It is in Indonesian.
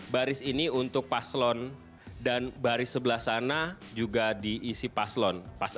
baris ini untuk paslon dan baris sebelah sana juga diisi paslon